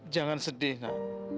jangan sedih nak